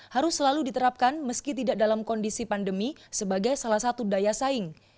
harus selalu diterapkan meski tidak dalam kondisi pandemi sebagai salah satu daya saing